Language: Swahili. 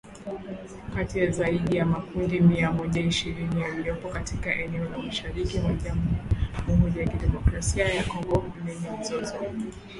Kati ya zaidi ya makundi mia Moja ishirini yaliyopo katika eneo la mashariki mwa Jamuhuri ya kidemokrasia ya Kongo lenye mzozo